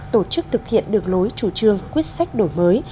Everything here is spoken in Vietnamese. tổ chức thực hiện được lối chủ trương quyết sách đổi mới